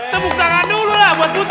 tepuk tangan dulu lah buat kita